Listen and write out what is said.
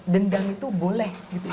dendam itu boleh gitu